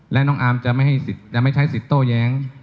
และน้องอาร์มจะไม่ใช้สิทธิโต้แย้ง